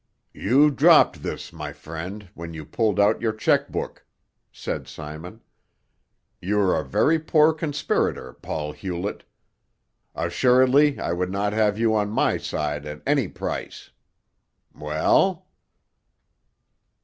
"You dropped this, my friend, when you pulled out your check book," said Simon. "You are a very poor conspirator, Paul Hewlett. Assuredly I would not have you on my side at any price. Well?"